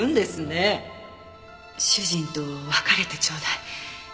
主人と別れてちょうだい。